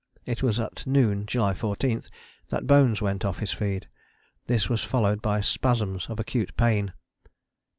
It was at noon, July 14, that Bones went off his feed. This was followed by spasms of acute pain.